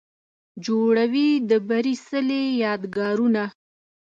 جوړوي د بري څلې، یادګارونه